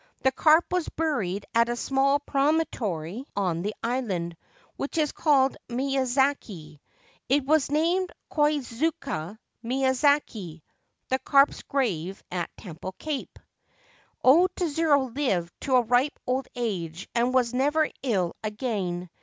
The carp was buried at a small promontory on the island, which is called Miyazaki. It was named Koizuka iVIiya zaki (the Carp's Grave at Temple Cape). O Tsuru lived to a ripe old age, and was never ill again.